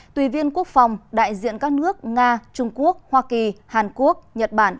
tùy viên quốc phòng đại diện các nước nga trung quốc hoa kỳ hàn quốc nhật bản